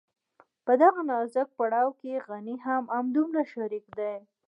په دغه نازک پړاو کې غني هم همدومره شريک دی.